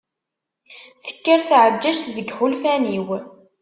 Tekker tɛeǧǧaǧǧt deg yiḥulfan-iw.